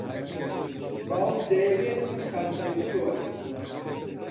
باوک دەیەوێت بمکات بە دکتۆر.